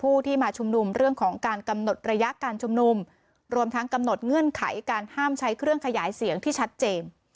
ผู้ที่มาชุมนุมเรื่องของการกำหนดระยะการชุมนุมรวมทั้งกำหนดเงื่อนไขการห้ามใช้เครื่องขยายเสียงที่ชัดเจน